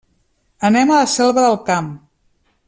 Anem a la Selva del Camp.